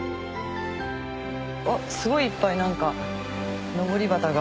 すごいいっぱい何かのぼり旗が。